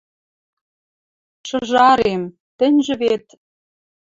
Шыжарем... Тӹньжӹ вет